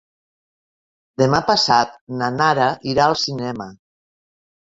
Demà passat na Nara irà al cinema.